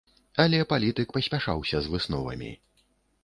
Але палітык паспяшаўся з высновамі.